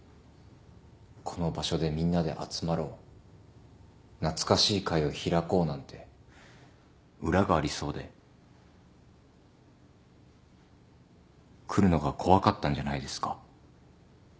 この場所でみんなで集まろう懐かしい会を開こうなんて裏がありそうで来るのが怖かったんじゃないですか？